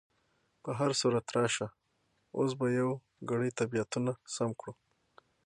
په هر صورت، راشه اوس به یو ګړی طبیعتونه سم کړو.